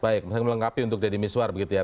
baik masih melengkapi untuk deddy miswar begitu ya